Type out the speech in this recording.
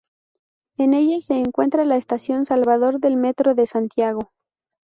En ella se encuentra la estación Salvador del Metro de Santiago.